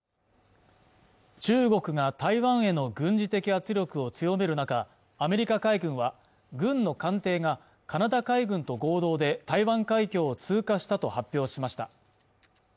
中国が台湾への軍事的圧力を強める中アメリカ海軍は軍の艦艇がカナダ海軍と合同で台湾海峡を通過したと発表しました